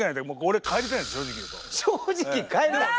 正直帰りたい？